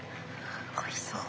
おいしそう。